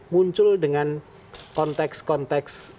muncul dengan konteks konteks